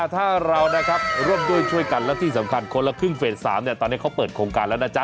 ถ้าเรานะครับร่วมด้วยช่วยกันแล้วที่สำคัญคนละครึ่งเฟส๓ตอนนี้เขาเปิดโครงการแล้วนะจ๊